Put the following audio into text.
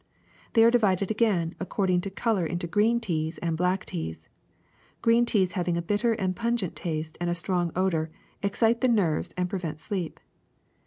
They are divided again ac cording to color into green teas and black teas. Green teas have a bitter and pungent taste and a strong odor, excite the nerves and prevent sleep.